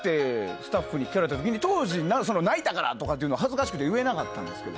スタッフに聞かれた時に、当時は泣いたからとか、恥ずかしくて言えなかったんですけど